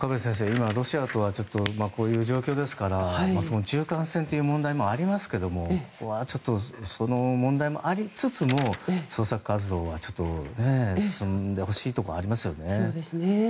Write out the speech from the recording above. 今、ロシアとはこういう状況ですから中間線という問題もありますがここはちょっとその問題もありつつも捜索活動は進んでほしいところはありますね。